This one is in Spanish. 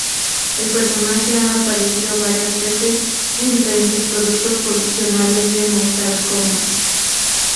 El personaje ha aparecido varias veces en diferentes productos coleccionables de "Mortal Kombat".